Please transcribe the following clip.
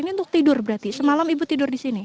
ini untuk tidur berarti semalam ibu tidur di sini